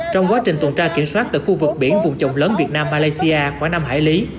trong quá trình tuần tra kiểm soát tại khu vực biển vùng trồng lớn việt nam malaysia khoảng năm hải lý